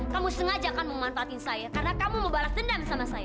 kamu sengaja kan memanfaatkan saya karena kamu mau balas dendam sama saya